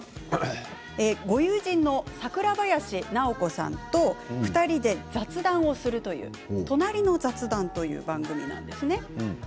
ご友人の桜林直子さんと２人で雑談をする「となりの雑談」という番組です。